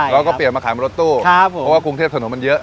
เราก็เปลี่ยนมาขายบนรถตู้เพราะว่ากรุงเทพถนนมันเยอะ